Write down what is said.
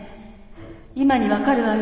今に分かるわよ。